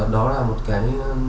đó là một cái